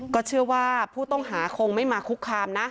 ก็เชื่อว่าผู้ต้องหาคงไม่มาคุกคามนะ